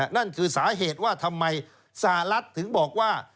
นั่นคือสาเหตุว่าทำไมสหรัฐถึงบอกว่า